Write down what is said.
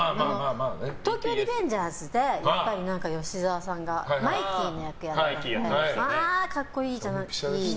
「東京リベンジャーズ」でやっぱり吉沢さんがマイキーの役やって格好いいじゃん、マイキー。